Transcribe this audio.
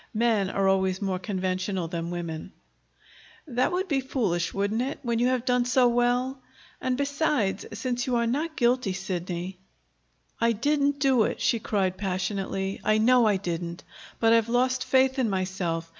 Men are always more conventional than women. "That would be foolish, wouldn't it, when you have done so well? And, besides, since you are not guilty, Sidney " "I didn't do it!" she cried passionately. "I know I didn't. But I've lost faith in myself.